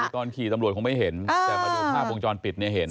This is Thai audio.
ตอนขี่ตำรวจคงไม่เห็นแต่ผ่านหน้าวงจรปิดเห็น